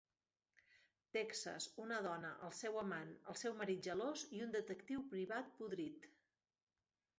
Texas, una dona, el seu amant, el seu marit gelós i un detectiu privat podrit.